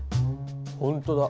ほんとだ。